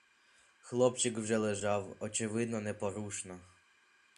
Хлопчик же лежав, очевидно, непорушно.